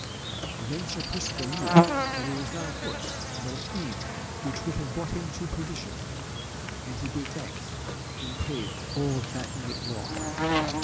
Then Sir Percivale knew that it was not a horse but a fiend which would have brought him to perdition, and he gave thanks and prayed all that night long.